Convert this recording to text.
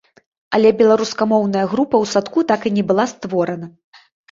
Але беларускамоўная група ў садку так і не была створана.